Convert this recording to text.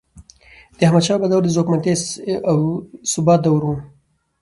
د احمدشاه بابا دور د ځواکمنتیا او ثبات دور و.